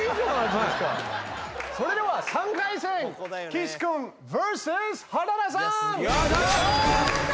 それでは３回戦岸君ＶＳ原田さん。